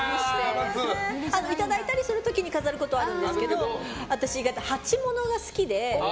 いただいたりする時に飾ることはあるんですけど私、意外と鉢物が好きで。